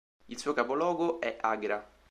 Il suo capoluogo è Agra.